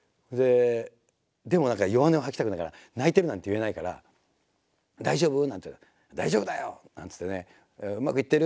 でも何か弱音を吐きたくないから「泣いてる」なんて言えないから「大丈夫？」なんて言われて「大丈夫だよ」なんつってね「うまくいってる？」。